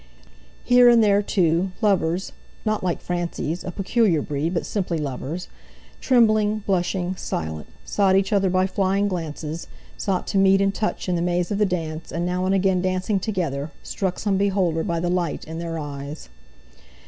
Here and there, too, lovers—not lovers like Francie's, a peculiar breed, but simply lovers—trembling, blushing, silent, sought each other by flying glances, sought to meet and touch in the mazes of the dance, and now and again dancing together, struck some beholder by the light in their eyes.